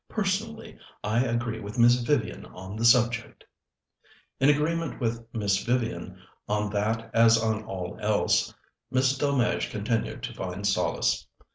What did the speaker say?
Personally, I agree with Miss Vivian on the subject." In agreement with Miss Vivian, on that as on all else, Miss Delmege continued to find solace.